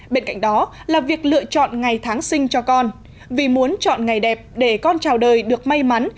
bên cạnh đó là việc lựa chọn ngày tháng sinh cho con vì muốn chọn ngày đẹp để con trào đời được may mắn